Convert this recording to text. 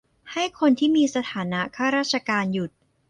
- ให้คนที่มีสถานะข้าราชการหยุด